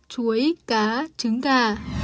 chuối cá trứng gà